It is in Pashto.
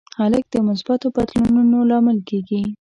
هلک د مثبتو بدلونونو لامل کېږي.